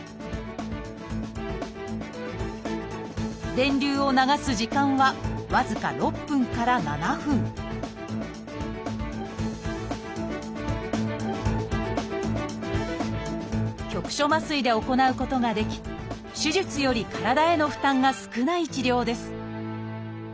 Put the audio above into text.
電流を流す時間は僅か６分から７分局所麻酔で行うことができ手術より体への負担が少ない治療です